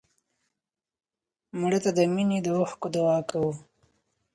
مړه ته د مینې د اوښکو دعا کوو